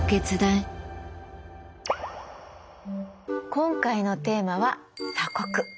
今回のテーマは「鎖国」。